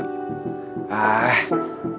ternyata arin licik banget